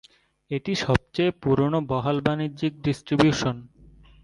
এটি সবচেয়ে পুরোনো বহাল বাণিজ্যিক ডিস্ট্রিবিউশন।